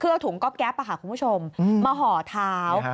คือเอาถุงก๊อบแก๊ปมาขาดคุณผู้ชมมาห่อเท้า